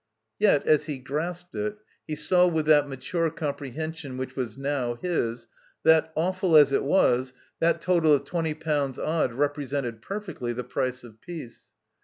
Yet, as he grasped it, he saw with that mattire comprehension which was now his, that, awftd as it was, that total of twenty potmds odd represented, perfectly, the price of peace.